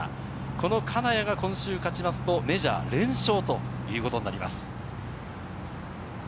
この金谷が今週勝つと、メジャー連勝ということになります。